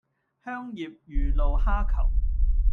香葉魚露蝦球